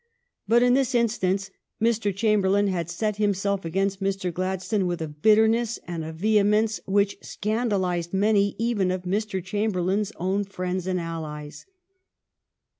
But in this instance Mr. Chamberlain had set himself against Mr. Gladstone with a bitterness and a vehemence which scandalized many even of Mr. Chamberlain's own friends and allies.